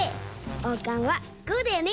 おうかんはこうだよね！